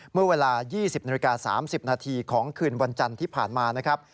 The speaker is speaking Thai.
เมื่อเวลา๒๐นาฬิกา๓๐นาทีของคืนวันจันทร์ที่ผ่านมานะครับ